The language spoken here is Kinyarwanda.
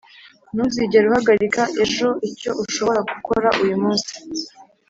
ntuzigere uhagarika ejo icyo ushobora gukora uyu munsi